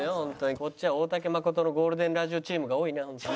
こっちは大竹まことの『ゴールデンラジオ』チームが多いな。